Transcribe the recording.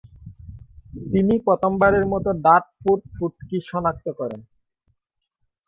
তিনি প্রথমবারের মত ডার্টফোর্ড ফুটকি শনাক্ত করেন।